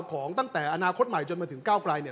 ของตั้งแต่อนาคตใหม่จนมาถึงก้าวไกลเนี่ย